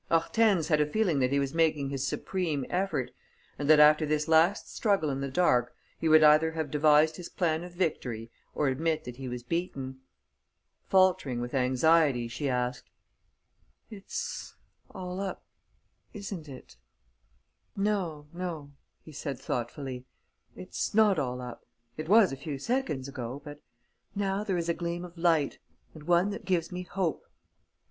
Hortense had a feeling that he was making his supreme effort and that, after this last struggle in the dark, he would either have devised his plan of victory or admit that he was beaten. Faltering with anxiety, she asked: "It's all up, isn't it?" "No, no," he said, thoughtfully, "it's not all up. It was, a few seconds ago. But now there is a gleam of light ... and one that gives me hope."